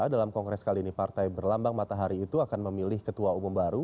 dalam kongres kali ini partai berlambang matahari itu akan memilih ketua umum baru